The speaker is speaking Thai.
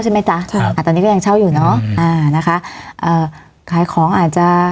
จ๊ะใช่อ่าตอนนี้ก็ยังเช่าอยู่เนอะอ่านะคะเอ่อขายของอาจจะ